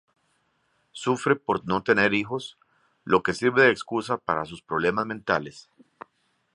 Sufre por no tener hijos, lo que sirve de excusa para sus problemas mentales.